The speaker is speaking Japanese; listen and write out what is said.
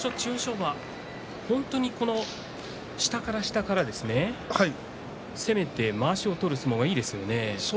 馬下から下から攻めてまわしを取る相撲、いいですね。